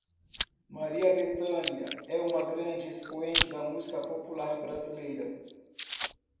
Maria Bethânia é uma grande expoente da Música Popular Brasileira